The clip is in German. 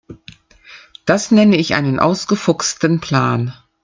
Das nenne ich einen ausgefuchsten Plan.